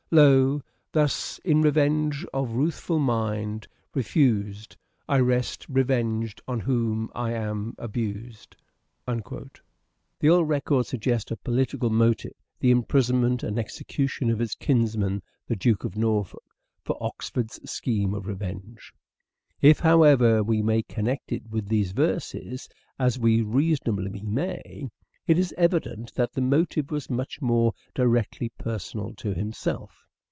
Lo, thus in rage of ruthful mind refus'd, I rest revenged on whom I am abus'd." The old records suggest a political motive — the imprisonment and execution of his kinsman the Duke of Norfolk — for Oxford's scheme of revenge. If, however, we may connect it with these verses, as we reasonably may, it is evident that the motive was much more directly personal to himself.